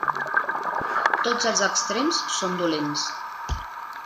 Tots els extrems són dolents.